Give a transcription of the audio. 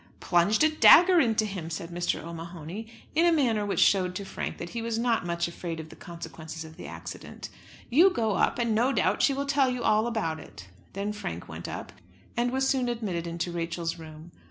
"Plunged a dagger into him," said Mr. O'Mahony, in a manner which showed to Frank that he was not much afraid of the consequences of the accident. "You go up and no doubt she will tell you all about it." Then Frank went up, and was soon admitted into Rachel's room.